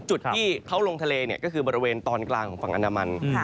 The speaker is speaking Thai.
จุดที่เขาลงทะเลก็คือบริเวณตอนกลางของฝั่งอนามัน